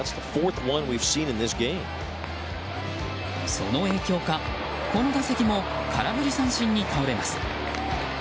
その影響か、この打席も空振り三振に倒れます。